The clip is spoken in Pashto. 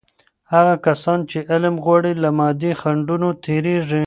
هغه کسان چې علم غواړي، له مادي خنډونو تیریږي.